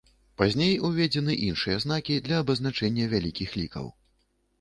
Пазней уведзены іншыя знакі для абазначэння вялікіх лікаў.